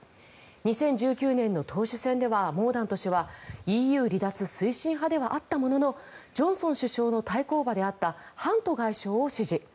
２０１９年の党首選ではモーダント氏はＥＵ離脱推進派ではあったもののジョンソン首相の対抗馬であったハント外相を支持。